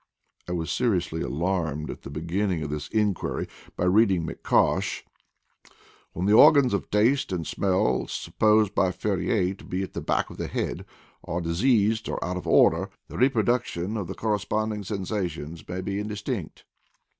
I was seriously alarmed at the beginning of this inquiry by reading in McCosh, "When the organs of taste and smell, supposed by Ferrier to be at the back of the head, are diseased or out of order, the reproduction of the corresponding sensations may be indistinct.'